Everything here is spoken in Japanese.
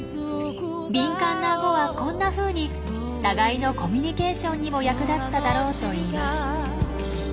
敏感なアゴはこんなふうに互いのコミュニケーションにも役立っただろうといいます。